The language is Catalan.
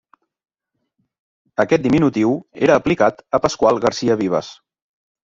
Aquest diminutiu era aplicat a Pasqual Garcia Vives.